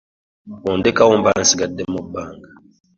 Bwondekawo mba nsigade mu banga.